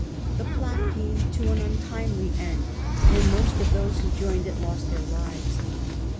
The plot came to an untimely end, and most of those who joined it lost their lives.